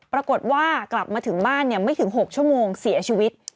ปรากฏว่ากลับมาถึงบ้านไม่ถึง๖ชั่วโมงเสียชีวิต